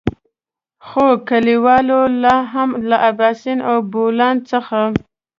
خو کليوالو لاهم له اباسين او بولان څخه.